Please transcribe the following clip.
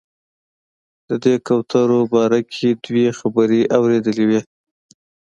د دې کوترو باره کې دوه خبرې اورېدلې وې.